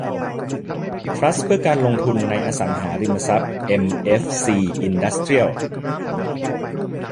ทรัสต์เพื่อการลงทุนในอสังหาริมทรัพย์เอ็มเอฟซีอินดัสเตรียล